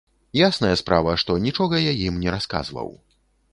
Ясная справа, што нічога я ім не расказваў.